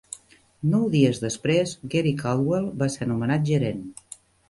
Nou dies després, Gary Caldwell va ser nomenat gerent.